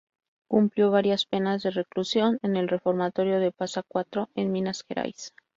Cumplió varias penas de reclusión en el reformatorio de Pasa Cuatro, en Minas Gerais.